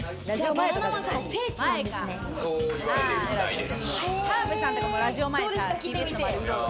バナナマンさんの聖地なんでいいですね！